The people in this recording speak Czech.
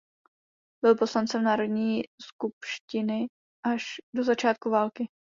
Byl poslancem národní skupštiny až do začátku války.